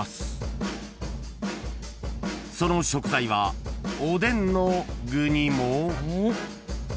［その食材はおでんの具にも］